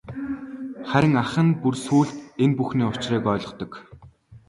Харин ах нь бүр сүүлд энэ бүхний учрыг ойлгодог.